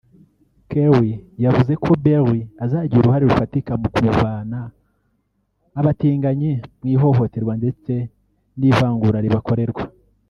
Kerry yavuze ko Berry azagira uruhare rufatika mu kuvana abatinganyi mu ihohoterwa ndetse n’ivangura ribakorerwa